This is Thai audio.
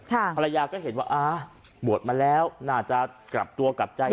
ภรรยาก็เห็นว่าอ่าบวชมาแล้วน่าจะกลับตัวกลับใจ